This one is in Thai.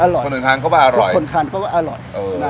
อร่อยคนอื่นทางก็ว่าอร่อยทุกคนทางก็ว่าอร่อยเออ